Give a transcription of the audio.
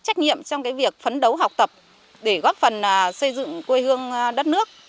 trách nhiệm trong việc phấn đấu học tập để góp phần xây dựng quê hương đất nước